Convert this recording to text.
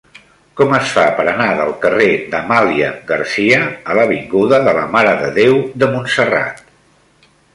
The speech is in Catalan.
Com es fa per anar del carrer d'Amàlia Garcia a l'avinguda de la Mare de Déu de Montserrat?